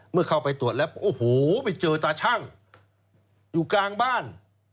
เมื่อเข้าไปตรวจแล้วโอ้โหไปเจอตาชั่งอยู่กลางบ้าน